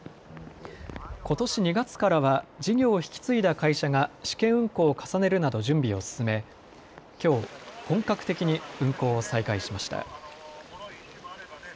ことし２月からは事業を引き継いだ会社が試験運航を重ねるなど準備を進めきょう本格的に運航を再開しました。